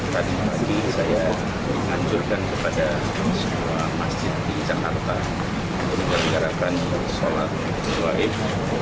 tadi pagi saya menganjurkan kepada semua masjid di jakarta untuk mengerjakan sholat gaib